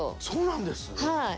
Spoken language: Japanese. そうなんです！？